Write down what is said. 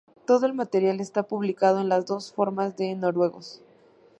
Todo el material está publicado en las dos formas de noruegos.